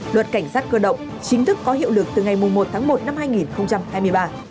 luật cảnh sát cơ động chính thức có hiệu lực từ ngày một tháng một năm hai nghìn hai mươi ba